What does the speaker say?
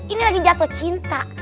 ini lagi jatuh cinta